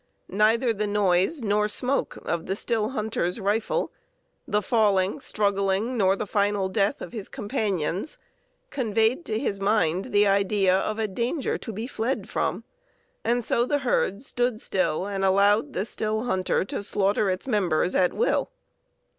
Neither the noise nor smoke of the still hunter's rifle, the falling, struggling, nor the final death of his companions conveyed to his mind the idea of a danger to be fled from, and so the herd stood still and allowed the still hunter to slaughter its members at will.